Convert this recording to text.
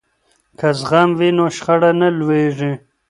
که زغم وي نو شخړه نه لویږي.